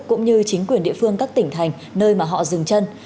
cũng như chính quyền địa phương các tỉnh thành nơi mà họ dừng chân